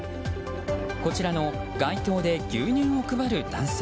こちらの街頭で牛乳を配る男性。